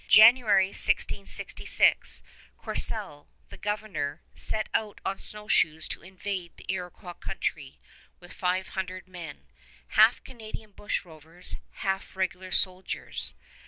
January, 1666, Courcelle, the Governor, set out on snowshoes to invade the Iroquois Country with five hundred men, half Canadian bushrovers, half regular soldiers.